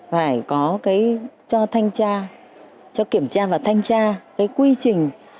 phải có cái cho thanh tra cho kiểm tra và thanh tra cái quy trình